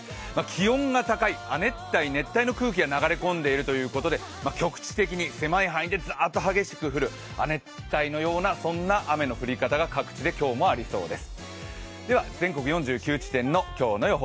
気温が高い亜熱帯、熱帯の空気が流れ込んでいるということで局地的に狭い範囲でザーッと激しく降る、亜熱帯のような、そんな雨の降り方が今日も各地でありそうです。